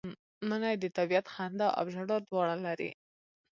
منی د طبیعت خندا او ژړا دواړه لري